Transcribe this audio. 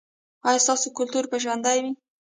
ایا ستاسو کلتور به ژوندی وي؟